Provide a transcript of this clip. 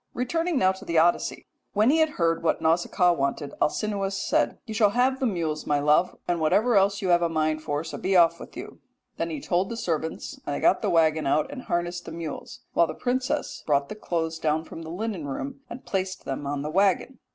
Returning now to the Odyssey, when he had heard what Nausicaa wanted Alcinous said: "'You shall have the mules, my love, and whatever else you have a mind for, so be off with you.' "Then he told the servants, and they got the waggon out and harnessed the mules, while the princess brought the clothes down from the linen room and placed them on the waggon.